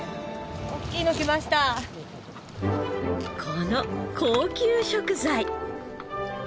この高級食材。